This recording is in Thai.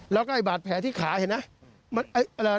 แล้วก็แบบแผลที่ขาเห็นหรือ